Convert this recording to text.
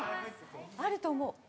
あると思う。